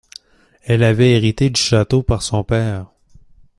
Elle avait hérité du château par son père.